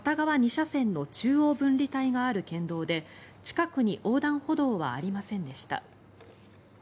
２車線の中央分離帯がある県道で近くに横断歩道はありませんでした。